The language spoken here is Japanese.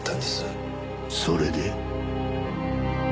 それで？